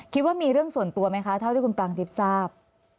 คิดว่ามีเรื่องส่วนตัวไหมคะเท่าที่คุณปรางทิพย์ทราบ